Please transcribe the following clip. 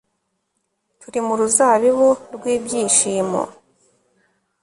turi mu ruzabibu rw'ibyishimo